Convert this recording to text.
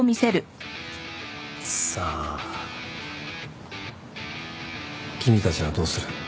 さあ君たちはどうする？